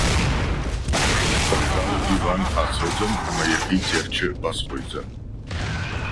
Фӕлтау Иван ацӕудзӕн ӕмӕ йӕхи Терчы басхойдзӕн...